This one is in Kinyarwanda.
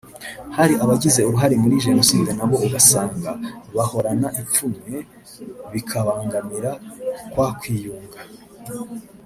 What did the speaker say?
Hari abagize uruhare muri Jenoside na bo ugasanga bahorana ipfunwe bikabangamira kwa kwiyunga